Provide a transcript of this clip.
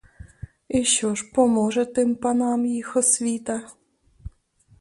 І що ж поможе тим панам їх освіта?